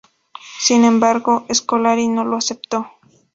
Sin embargo, Scolari no lo aceptó.